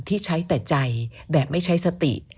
ที่ใช้แต่ใจแบบไม่ใช้สติ